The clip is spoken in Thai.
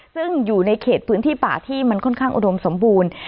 ซึ่งอยู่ในเขตพื้นที่ป่าที่มันค่อนข้างอุดมสมบูรณ์